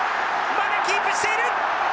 まだキープしている！